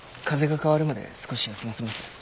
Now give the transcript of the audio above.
風が変わるまで少し休ませます。